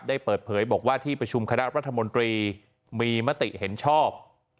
ได้เปิดเผยบอกว่าที่ประชุมคณะรัฐมนตรีมีมติเห็นชอบ